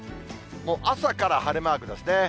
もう朝から晴れマークですね。